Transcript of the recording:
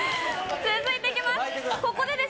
続いていきます。